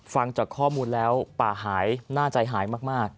ฟังจากข้อมูลแล้วป่าหายน่าใจหายมาก